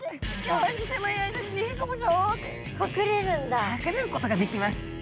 隠れることができます。